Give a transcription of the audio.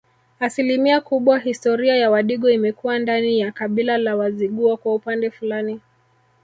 Asilimia kubwa historia ya Wadigo imekuwa ndani ya kabila la Wazigua kwa upande fulani